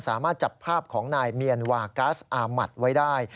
สามารถจับภาพของนายเมียนวากัสอามัติไว้ได้